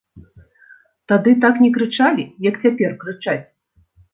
Тады так не крычалі, як цяпер крычаць.